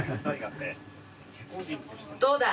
どうだ！